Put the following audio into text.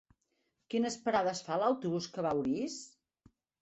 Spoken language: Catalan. Quines parades fa l'autobús que va a Orís?